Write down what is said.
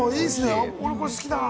これ好きだな！